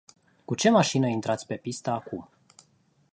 Cu ce mașină intrați pe pistă acum.